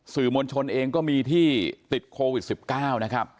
สื่อมวลชนเองก็มีที่ติดโควิด๑๙นะครับ